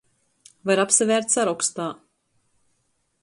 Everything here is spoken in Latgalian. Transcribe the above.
Var apsavērt sarokstā.